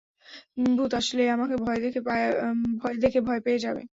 ভূত আসলে আমাকে দেখে ভয় পেয়ে যাবে।